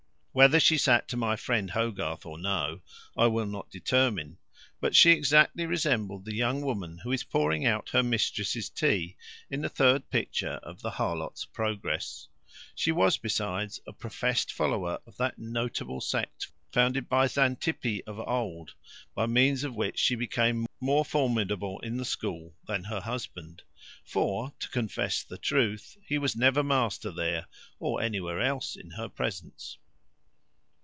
Whether she sat to my friend Hogarth, or no, I will not determine; but she exactly resembled the young woman who is pouring out her mistress's tea in the third picture of the Harlot's Progress. She was, besides, a profest follower of that noble sect founded by Xantippe of old; by means of which she became more formidable in the school than her husband; for, to confess the truth, he was never master there, or anywhere else, in her presence.